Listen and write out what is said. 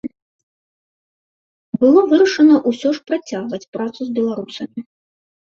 Было вырашана ўсё ж працягваць працу з беларусамі.